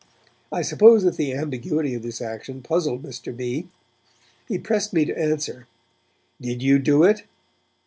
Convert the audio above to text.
I suppose that the ambiguity of this action puzzled Mr. B. He pressed me to answer: 'Did you do it?'